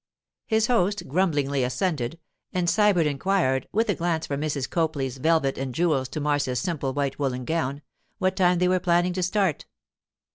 His host grumblingly assented, and Sybert inquired, with a glance from Mrs. Copley's velvet and jewels to Marcia's simple white woollen gown, what time they were planning to start.